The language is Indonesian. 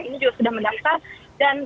ini juga sudah mendaftar dan